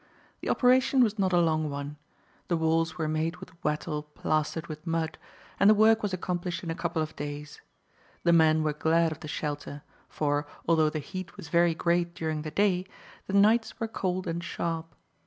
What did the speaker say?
The operation was not a long one. The walls were made with wattle plastered with mud, and the work was accomplished in a couple of days. The men were glad of the shelter, for, although the heat was very great during the day, the nights were cold and sharp.